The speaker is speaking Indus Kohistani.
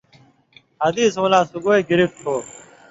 حدیثؤں لا سُگائ گرفت ہو؛